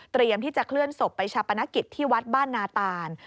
ที่จะเคลื่อนศพไปชาปนกิจที่วัดบ้านนาตาน